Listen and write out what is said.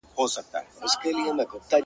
زموږ د معصومو دنګو پېغلو د حیا کلی دی-